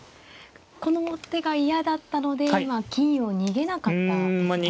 この手が嫌だったので今金を逃げなかったんですね。